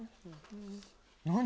何？